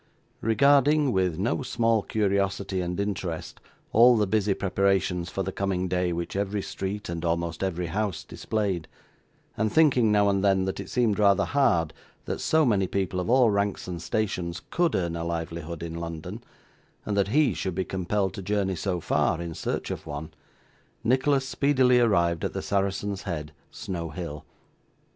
Regarding, with no small curiosity and interest, all the busy preparations for the coming day which every street and almost every house displayed; and thinking, now and then, that it seemed rather hard that so many people of all ranks and stations could earn a livelihood in London, and that he should be compelled to journey so far in search of one; Nicholas speedily arrived at the Saracen's Head, Snow Hill.